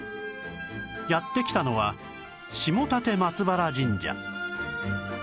やって来たのは下立松原神社